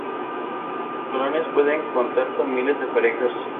Las colonias pueden contar con miles de parejas.